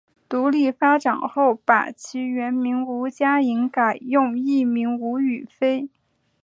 独立发展后把其原名吴家颖改用艺名吴雨霏。